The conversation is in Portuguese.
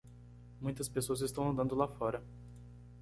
Muitas pessoas estão andando lá fora.